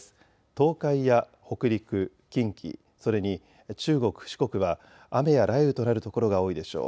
東海や北陸、近畿、それに中国、四国は雨や雷雨となる所が多いでしょう。